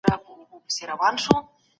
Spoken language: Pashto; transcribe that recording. ما ستا له تګلارې څخه ډېر څه زده کړل.